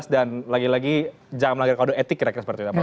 dan lagi lagi jangan melanggar kode etik seperti apa